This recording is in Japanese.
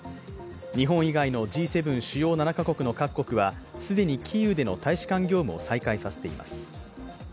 日本以外のＧ７＝主要７か国の各国は既にキーウでの大使館業務を再開させています。